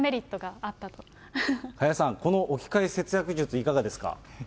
加谷さん、この置き換え節約術、いかがですか。